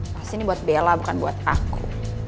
pasti ini buat bella bukan buat aku